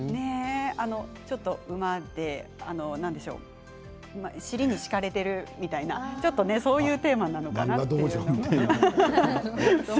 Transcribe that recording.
ちょっと、うまで何でしょうか尻に敷かれているみたいなそういうテーマなのかな？